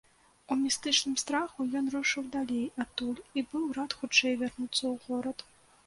У містычным страху ён рушыў далей адтуль і быў рад хутчэй вярнуцца ў горад.